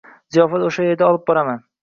– Ziyofatni o‘sha yerga olib boraman